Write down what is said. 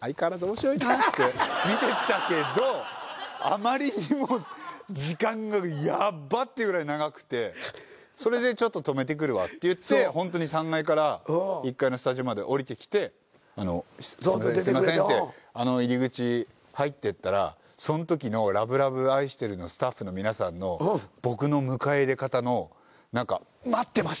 相変わらず面白いなっつって見てたけどあまりにも時間がヤッバっていうぐらい長くてそれでちょっと止めてくるわって言ってホントに３階から１階のスタジオまで下りてきてすいませんってあの入り口入ってったらそんときの『ＬＯＶＥＬＯＶＥあいしてる』のスタッフの皆さんの僕の迎え入れ方の待ってました！